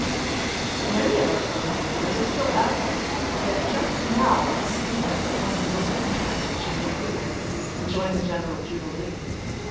But many of our summer visitors are still absent, yet just now is the season that one of the most interesting should make his appearance and join in the general jubilee.